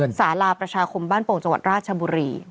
สาราประชาคมบ้านโป่งจังหวัดราชบุรี